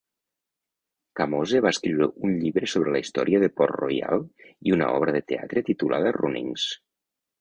Kamoze va escriure un llibre sobre la història de Port Royal i una obra de teatre titulada "Runnings".